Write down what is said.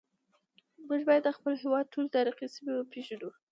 موږ باید د خپل هیواد ټولې تاریخي سیمې وپیژنو